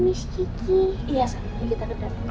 iya kita kedat